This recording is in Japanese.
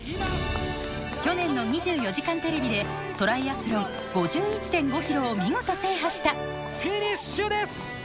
去年の『２４時間テレビ』でトライアスロン５１．５ｋｍを見事制覇したフィニッシュです！